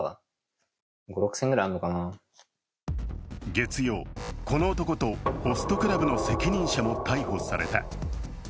月曜、この男とホストクラブの責任者も逮捕された。